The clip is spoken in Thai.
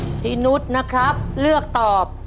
พี่นุษย์นะครับเลือกตอบ